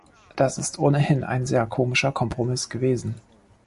Das ist ohnehin ein sehr komischer Kompromiss gewesen.